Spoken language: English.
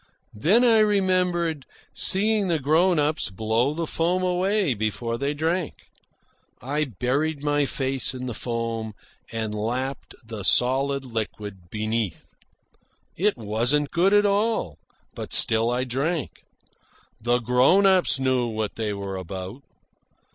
Then I remembered seeing the grown ups blow the foam away before they drank. I buried my face in the foam and lapped the solid liquid beneath. It wasn't good at all. But still I drank. The grown ups knew what they were about.